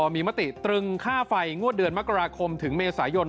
มีมติตรึงค่าไฟงวดเดือนมกราคมถึงเมษายน